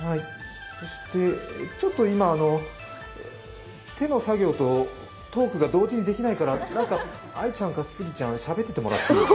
ちょっと今、手の作業とトークが同時にできないから愛ちゃんか杉ちゃん、しゃべっててもらえる？